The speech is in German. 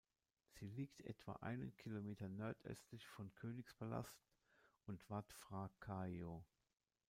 Sie liegt etwa einen Kilometer nordöstlich von Königspalast und Wat Phra Kaeo.